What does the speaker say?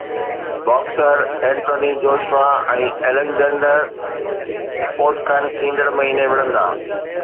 boxer Anthony Joshua ۽ Alexander Povetkin ايندڙ مهيني وڙهندا